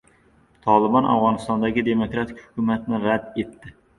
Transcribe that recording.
"Tolibon" Afg‘onistondagi demokratik hukumatni rad etdi